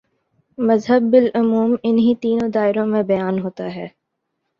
مذہب بالعموم انہی تینوں دائروں میں بیان ہوتا ہے۔